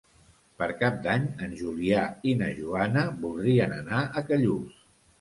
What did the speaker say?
Per Cap d'Any en Julià i na Joana voldrien anar a Callús.